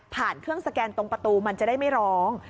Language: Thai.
เครื่องสแกนตรงประตูมันจะได้ไม่ร้อง